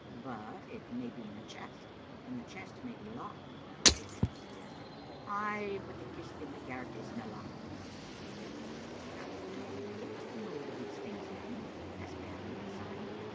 "But it may be in a chest, and the chest may be locked," the Egyptian suggested. "Ay, but the kist in the garret isna locked," Nanny answered. " How do you get to know all these things, Nanny?" asked Gavin, sighing.